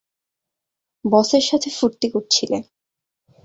বসের সাথে ফূর্তি করছিলে।